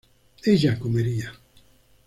ella comería